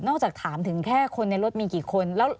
จากถามถึงแค่คนในรถมีกี่คน